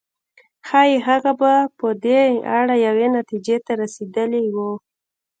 ښايي هغه به په دې اړه یوې نتيجې ته رسېدلی و.